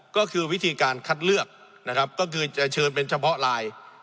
ก็คือวิธีการคัดเลือกนะครับก็คือจะเชิญเป็นเฉพาะลาย